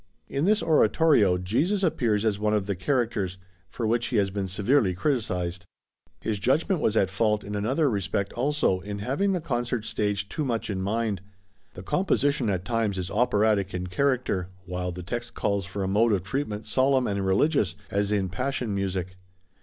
In this oratorio Jesus appears as one of the characters, for which he has been severely criticised. His judgment was at fault in another respect also in having the concert stage too much in mind. The composition at times is operatic in character, while the text calls for a mode of treatment solemn and religious, as in Passion music.